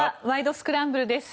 スクランブル」です。